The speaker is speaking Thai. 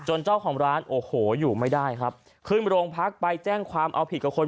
เจ้าของร้านโอ้โหอยู่ไม่ได้ครับขึ้นโรงพักไปแจ้งความเอาผิดกับคน